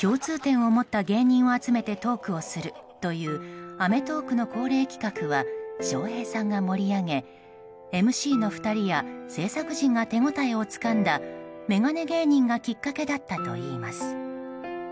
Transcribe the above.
共通点を持った芸人を集めてトークをするという「アメトーーク！」の恒例企画は笑瓶さんが盛り上げＭＣの２人や制作陣が手応えをつかんだメガネ芸人がきっかけだったといいます。